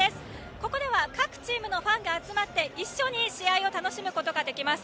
ここでは各チームのファンが集まって一緒に試合を楽しむことができます。